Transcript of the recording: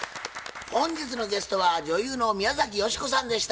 本日のゲストは女優の宮崎美子さんでした。